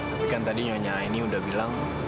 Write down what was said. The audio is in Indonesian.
tapi kan tadi nyonya ini udah bilang